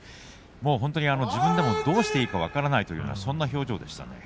本当に自分でもどうしていいか分からない、そんな表情でした。